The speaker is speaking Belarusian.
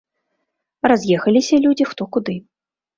Раз'ехаліся людзі, хто куды.